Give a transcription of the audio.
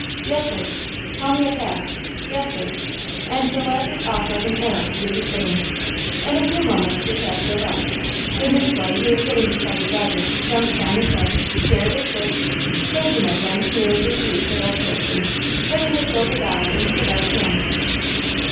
"Yes, sir!" "Call me a cab!" "Yes, sir!" And the lad was off like an arrow to do his bidding. In a few moments the cab drove up. The newsboy, who was sitting beside the driver, jumped down and said: "Here it is, sir!" "Thank you, my son; here is your fee," said Old Hurricane, putting a silver dollar into the lad's hand.